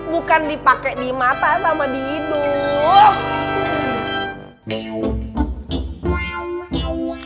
bukan dipakai di mata sama di hidung